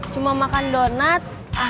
cuma makan donat